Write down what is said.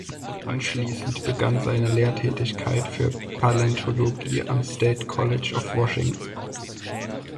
Anschließend begann seine Lehrtätigkeit für Paläontologie am State College of Washington.